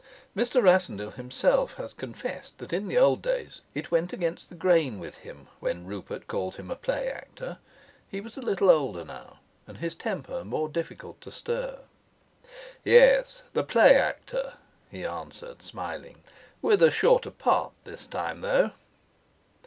Mr. Rassendyll himself has confessed that in old days it went against the grain with him when Rupert called him a play actor. He was a little older now, and his temper more difficult to stir. "Yes, the play actor," he answered, smiling. "With a shorter part this time, though."